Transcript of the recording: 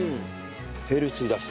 ヘルシーだし。